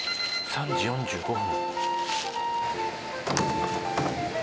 ３時４５分。